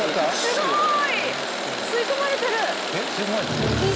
すごーい！